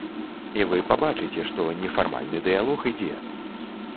І вы пабачыце, што нефармальны дыялог ідзе.